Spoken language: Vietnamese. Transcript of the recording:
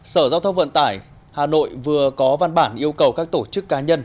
sở giao thông vận tải hà nội vừa có văn bản yêu cầu các tổ chức cá nhân